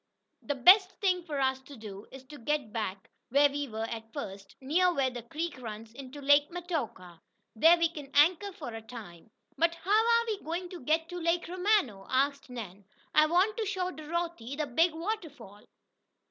"The best thing for us to do is to go back where we were at first, near where the creek runs into Lake Metoka. There we can anchor for a time." "But how are we going to get to Lake Romano?" asked Nan. "I want to show Dorothy the big waterfall."